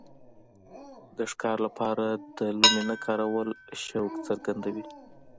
د ښکار لپاره د لومې نه کارول شوق څرګندوي.